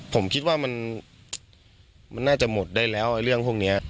ผมคิดว่ามันน่าจะหมดได้แล้วเรื่องพวกนี้